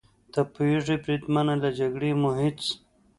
ته پوهېږې بریدمنه، له جګړې مو هېڅ.